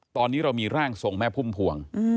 ตอนนี้เรามีร่างทรงแม่พุ่มพวง